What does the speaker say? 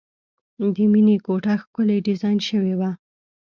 د مینې کوټه ښکلې ډیزاین شوې وه